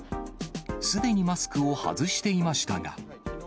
すでにマスクを外していましたが。